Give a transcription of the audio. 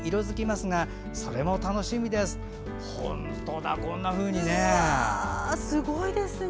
すごいですね。